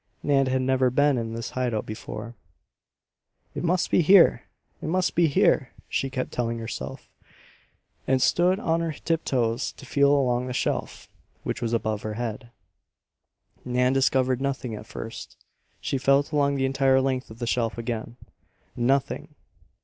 Nan had never been in this hide out before. "It must be here! It must be here!" she kept telling herself, and stood on her tiptoes to feel along the shelf, which was above her head. Nan discovered nothing at first. She felt along the entire length of the shelf again. Nothing!